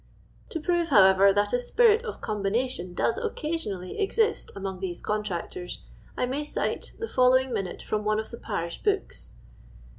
To prove, however, that a spirit of combination does in:tuti, imllii exist among these contractors, I HKiy cite tho following minute fmm one of the parish liouks.